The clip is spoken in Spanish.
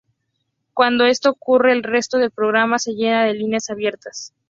Cuando esto ocurre, el resto del programa se llena de líneas abiertas.